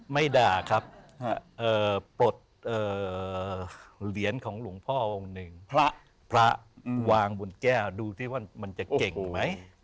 ไม่ด่าครับปลดเหรียญของหลวงพ่อพระวางบนแก้วดูที่ว่ามันจะเก่งไหม